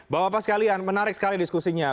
bapak bapak sekalian menarik sekali diskusinya